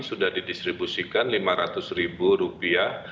sudah didistribusikan lima ratus ribu rupiah